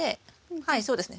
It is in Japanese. はいそうですね。